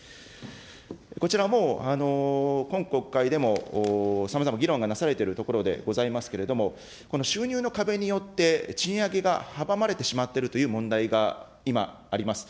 こちら、もう今国会でもさまざま議論がなされているところでございますけれども、この収入の壁によって、賃上げが阻まれてしまっているという問題が今あります。